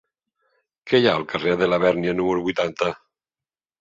Què hi ha al carrer de Labèrnia número vuitanta?